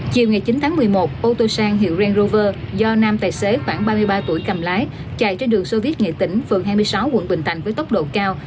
chiều ngày chín tháng một mươi một ô tô sang hiệu ren rover do nam tài xế khoảng ba mươi ba tuổi cầm lái chạy trên đường soviet nghệ tỉnh phường hai mươi sáu quận bình thành với tốc độ cao